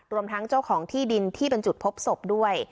รวมทั้งเจ้าของที่ดินที่เป็นจุดพบศพด้วย